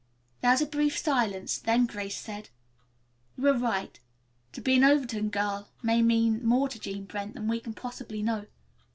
There was a brief silence, then Grace said: "You are right. To be an Overton girl may mean more to Jean Brent than we can possibly know.